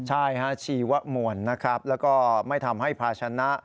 ใช่ฮะชีวมวลนะครับแล้วก็ไม่ทำให้ภาชนะ